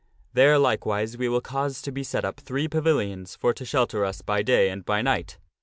There, likewise, we will cause to be set up three pavilions for to shelter us by day and by night.